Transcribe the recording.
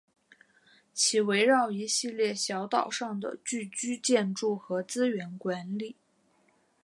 其围绕一系列小岛上的聚居建筑和资源管理。